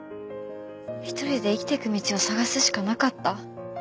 一人で生きていく道を探すしかなかった。